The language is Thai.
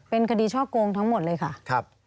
เป็นคดีช่อโกงทั้งหมดเลยค่ะ